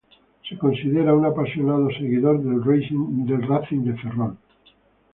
Se considera un apasionado seguidor del Racing de Ferrol.